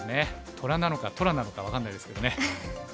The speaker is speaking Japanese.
虎なのかトラなのか分かんないですけどね。